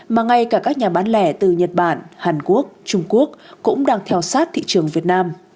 mà ngay cả các nhà bán lẻ từ nhật bản hàn quốc trung quốc cũng đang theo sát thị trường việt nam